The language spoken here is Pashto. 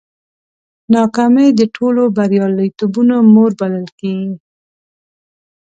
ناکامي د ټولو بریالیتوبونو مور بلل کېږي.